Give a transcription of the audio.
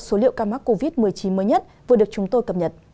số liệu ca mắc covid một mươi chín mới nhất vừa được chúng tôi cập nhật